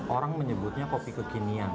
orang menyebutnya kopi kekinian